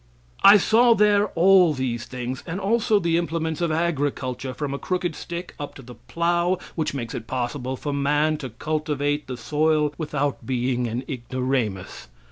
I saw there all these things, and also the implements of agriculture, from a crooked stick up to the plow which makes it possible for a man to cultivate the soil without being an ignoramus.